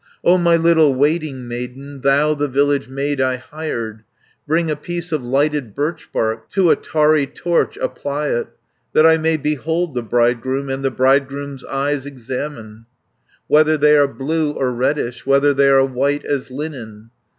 "O my little waiting maiden, Thou the village maid I hired, Bring a piece of lighted birchbark, To a tarry torch apply it, 190 That I may behold the bridegroom, And the bridegroom's eyes examine, Whether they are blue or reddish; Whether they are white as linen."